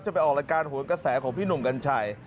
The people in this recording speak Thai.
ไปออกรายการโหนกระแสของพี่หนุ่มกัญชัย